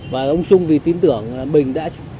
và ông trung vì tin tưởng là mình đã